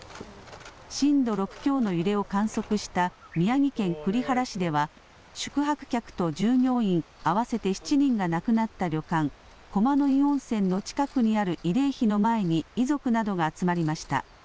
震度６強の揺れを観測した宮城県栗原市では、宿泊客と従業員合わせて７人が亡くなった旅館、駒の湯温泉の近くにある慰霊碑の前に遺族などが集まりました。